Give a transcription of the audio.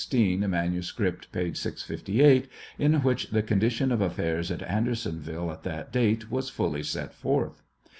16 ; manuscript, p. G5S,) in which the condition of affairs at Andersonville at that date was fully set forth.